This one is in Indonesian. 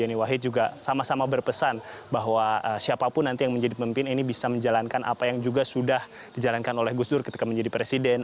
yeni wahid juga sama sama berpesan bahwa siapapun nanti yang menjadi pemimpin ini bisa menjalankan apa yang juga sudah dijalankan oleh gus dur ketika menjadi presiden